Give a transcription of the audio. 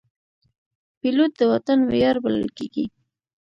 پیلوټ د وطن ویاړ بلل کېږي.